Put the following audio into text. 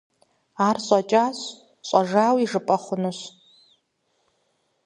Ар щӀэкӀащ, щӀэжауи жыпӀэ хъунущ.